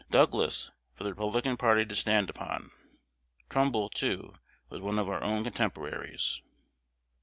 Douglas, for the Republican party to stand upon. Trumbull, too, was one of our own contemporaries."